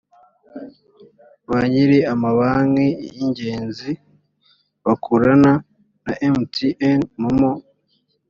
ba nyiri amabanki y ingenzi bakorana na mtnmomo